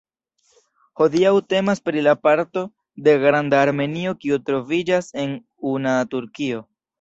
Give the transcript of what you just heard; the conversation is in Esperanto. Hodiaŭ temas pri la parto de Granda Armenio kiu troviĝas en una Turkio.